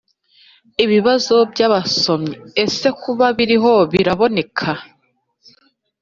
Ibibazo By Abasomyi Ese Kuba Biriho Biraboneka?